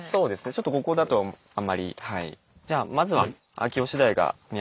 ちょっとここだとあんまりはい。